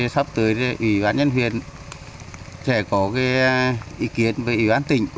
sắp tới ủy ban nhân huyện sẽ có cái ý kiến về ủy ban tỉnh